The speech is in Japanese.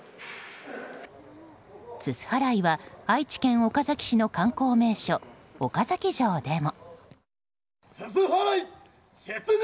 すす払いは愛知県岡崎市の観光名所岡崎城でも。